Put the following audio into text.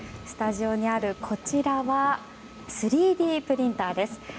スタジオにあるこちらは３Ｄプリンターです。